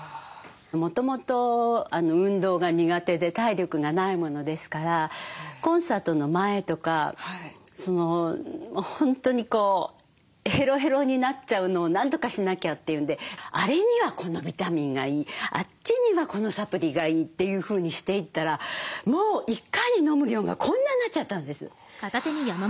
もともと運動が苦手で体力がないものですからコンサートの前とか本当にこうヘロヘロになっちゃうのを何とかしなきゃっていうんであれにはこのビタミンがいいあっちにはこのサプリがいいというふうにしていったらもう一回にのむ量がこんなになっちゃったんです。